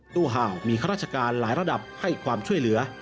ตู้ห่าวมีข้าราชการหลายระดับให้ความช่วยเหลือ